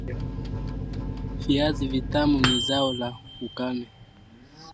viazi vitamu ni zao la ukame